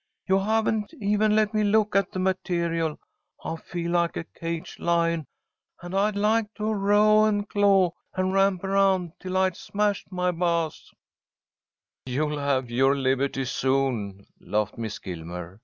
You haven't even let me look at the material. I feel like a caged lion, and I'd like to roah and claw and ramp around till I'd smashed my bah's." "You'll have your liberty soon," laughed Miss Gilmer.